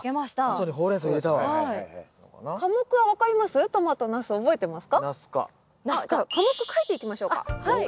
あじゃあ科目書いていきましょうか。